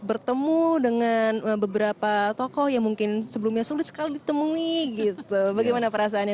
bertemu dengan beberapa tokoh yang mungkin sebelumnya sulit sekali're bagaimana perasaannya